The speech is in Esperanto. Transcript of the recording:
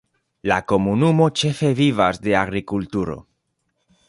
La komunumo ĉefe vivas de agrikulturo.